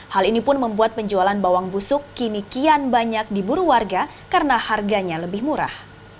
hal ini pun membuat penjualan bawang busuk kini kian banyak diburu warga karena harganya lebih murah